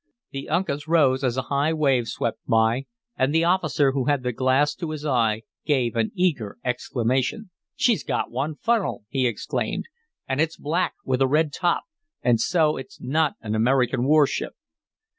The Uncas rose as a high wave swept by; and the officer, who had the glass to his eye, gave an eager exclamation. "She's got one funnel," he exclaimed, "and it's black, with a red top; and so it's not an American warship."